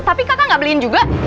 tapi kakak gak beliin juga